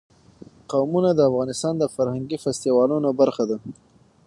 قومونه د افغانستان د فرهنګي فستیوالونو برخه ده.